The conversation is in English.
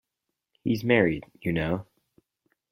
He's married, you know.